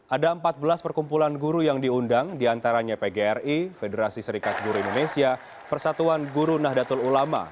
ada empat belas perkumpulan guru yang diundang diantaranya pgri federasi serikat guru indonesia persatuan guru nahdlatul ulama